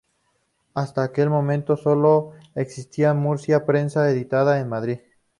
Hasta aquel momento sólo existía en Murcia prensa editada en Madrid.